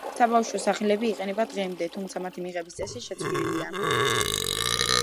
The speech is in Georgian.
საბავშვო სახელები იყენება დღემდე, თუმცა მათი მიღების წესი შეცვლილია.